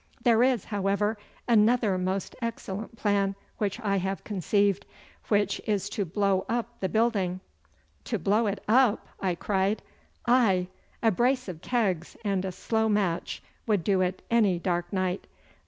'There is, however, another most excellent plan which I have conceived, which is to blow up the building.' 'To blow it up!' I cried. 'Aye! A brace of kegs and a slow match would do it any dark night.